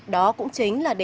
đó cũng chính là lý do